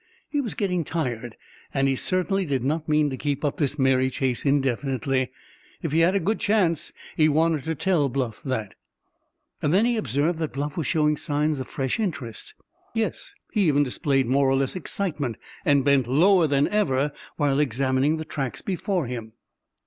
He was getting tired, and he certainly did not mean to keep up this merry chase indefinitely. If he had a good chance, he wanted to tell Bluff that. Then he observed that Bluff was showing signs of fresh interest. Yes, he even displayed more or less excitement, and bent lower than ever while examining the tracks before him.